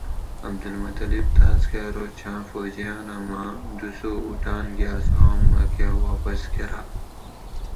عبدالمطلب تاسکہ ارو چھاں فوجیانہ ماۤں دُو سو اُٹاۤن گاۤس آم مکۤہ واپس کراۤ